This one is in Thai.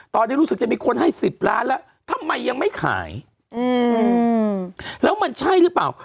ตอนนี้รู้สึกจะมีคนให้๑๐ล้านแล้วทำไมยังไม่ขายแล้วมันใช่หรือเปล่า